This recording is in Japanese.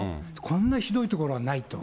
こんなひどいところはないと。